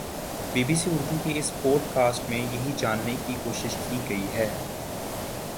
be B C Urdu کی اس podcast میں یہی جاننے کی کوشش کی گئی ہے